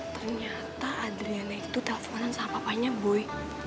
ternyata adriana itu telfonan sama papanya boy